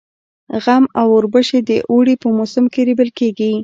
غنم او اوربشې د اوړي په موسم کې رېبل کيږي.